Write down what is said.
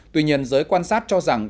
tuy nhiên giới quan sát cho rằng